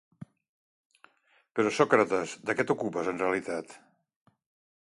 Però, Sòcrates, de què t'ocupes en realitat?